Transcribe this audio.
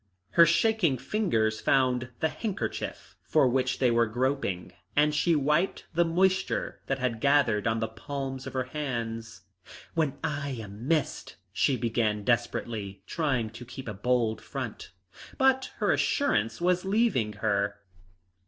Her shaking fingers found the handkerchief for which they were groping, and she wiped the moisture that had gathered on the palms of her hands. "When I am missed " she began desperately, trying to keep a bold front, but her assurance was leaving her.